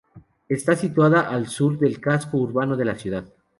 Está situada al sur del casco urbano de la ciudad.